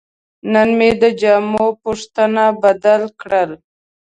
نن مې د جامو پوښونه بدل کړل.